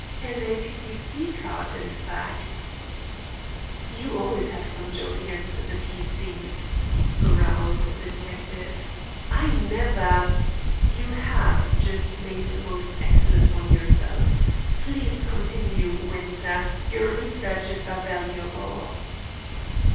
"A P.P.C. card, in fact!" "You always have some joke against the P.C.'s," growled the detective. "I never " "You have just made a most excellent one yourself. Please continue, Winter. Your researches are valuable."